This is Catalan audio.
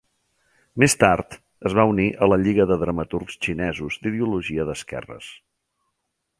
Més tard, es va unir a La Lliga de Dramaturgs Xinesos, d'ideologia d'esquerres.